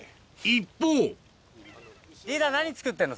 一方リーダー何作ってんの？